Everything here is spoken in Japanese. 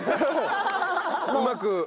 うまく。